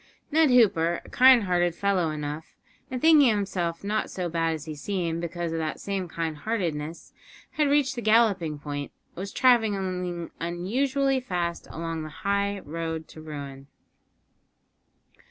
Ned Hooper, a kind hearted fellow enough, and thinking himself not so bad as he seemed because of that same kind heartedness, had reached the galloping point, and was travelling unusually fast along the high road to ruin.